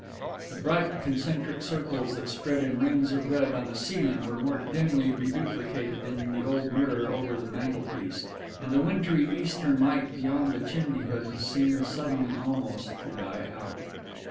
The bright concentric circles that spread in rings of red on the ceiling were more dimly reduplicated in the old mirror over the mantelpiece; and the wintry eastern light beyond the chimney hoods seemed suddenly almost to die out.